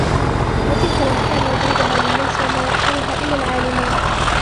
وتلك الأمثال نضربها للناس وما يعقلها إلا العالمون